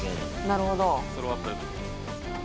なるほど。